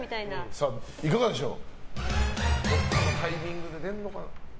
いかがでしょう？